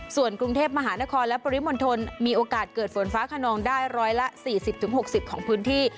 ส่วนกรุงเทพมหานครและปริมณฑลมีโอกาสเกิดฝนฟ้าขนองได้ร้อยละ๔๐๖๐ของพื้นที่